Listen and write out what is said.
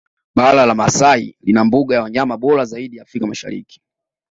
Bara la Maasai lina mbuga ya wanyama bora zaidi Afrika Mashariki